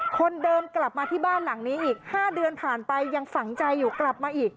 คนเดินกลับมาที่บ้านหลังนี้อีก๕เดือนผ่านไปยังฝังใจอยู่กลับมาอีก